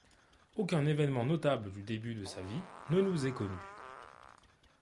Aucun événement notable du début de sa vie ne nous est connu.